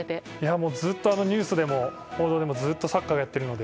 もう、ずっとニュースでも報道でもサッカーがやってるので。